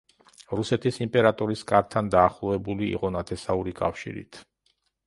რუსეთის იმპერატორის კართან დაახლოებული იყო ნათესაური კავშირით.